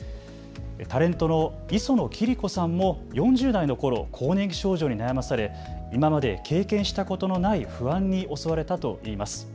タレントの磯野貴理子さんも４０代のころ、更年期症状に悩まされ今まで経験したことのない不安に襲われたといいます。